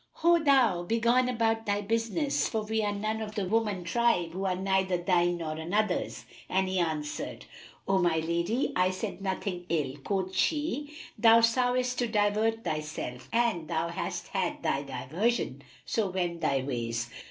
"Ho, thou! Begone about thy business, for we are none of the woman tribe who are neither thine nor another's.[FN#310]" And he answered, "O my lady, I said nothing ill." Quoth she, "Thou soughtest to divert thyself[FN#311] and thou hast had thy diversion; so wend thy ways."